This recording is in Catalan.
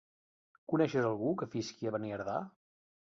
Coneixes algú que visqui a Beniardà?